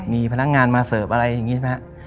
มีพนักงานมาเสิร์ฟอะไรอย่างเดียวใช่มั้ยฮะ